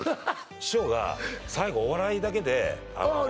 師匠が最後お笑いだけでああ